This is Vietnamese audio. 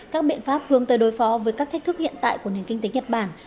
các biện pháp hướng tới đối phó với các thách thức hiện tại của nền kinh tế nhật bản